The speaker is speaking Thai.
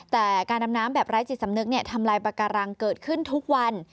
แต่การดำน้ำแบบไร้จิตสำนึกทำลายปากการังเกิดขึ้นทุกวัน